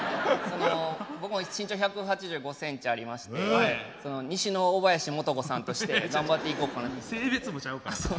僕も身長１８５センチありまして西の大林素子さんとして頑張っていこうかなと。